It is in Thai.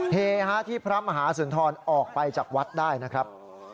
เฮฮะที่พระมหาสุนทรออกไปจากวัดได้นะครับ